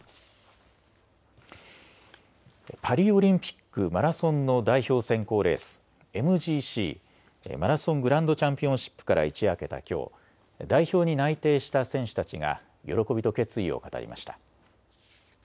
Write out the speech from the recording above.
パリオリンピック、マラソンの代表選考レース、ＭＧＣ・マラソングランドチャンピオンシップから一夜明けたきょう代表に内定した選手たちが喜びと決意を語りました。